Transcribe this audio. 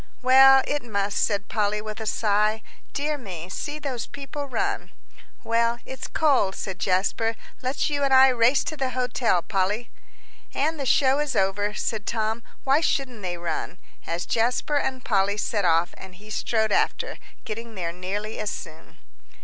"Well, it must," said Polly, with a sigh. "Dear me, see those people run." "Well, it's cold," said Jasper; "let's you and I race to the hotel, Polly." "And the show is over," said Tom, "why shouldn't they run?" as Jasper and Polly set off, and he strode after, getting there nearly as soon.